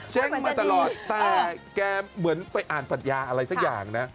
มาตลอดแต่แกเหมือนไปอ่านปัญญาอะไรสักอย่างนะ